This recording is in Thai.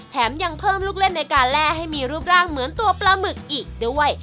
แถมยังเพิ่มลูกเล่นในการแร่ให้มีรูปร่างเหมือนตัวปลาหมึกอีกด้วย